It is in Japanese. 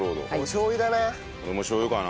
しょう油だね。